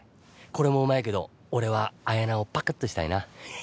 これもうまいけど俺はあやなをパクッとしたいななんちゃって」。